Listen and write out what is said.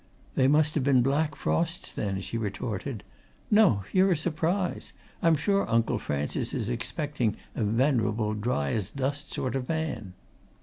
"They must have been black frosts, then!" she retorted. "No! you're a surprise. I'm sure Uncle Francis is expecting a venerable, dry as dust sort of man."